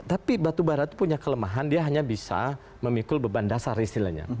tapi batu bara itu punya kelemahan dia hanya bisa memikul beban dasar istilahnya